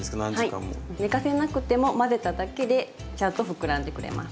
寝かせなくても混ぜただけでちゃんと膨らんでくれます。